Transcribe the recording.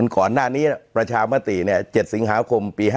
ก่อนหน้านี้ประชามติ๗สิงหาคมปี๕๗